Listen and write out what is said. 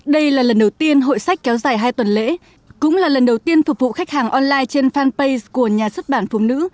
đây là lần đầu tiên hội sách kéo dài hai tuần lễ cũng là lần đầu tiên phục vụ khách hàng online trên fanpage của nhà xuất bản phụ nữ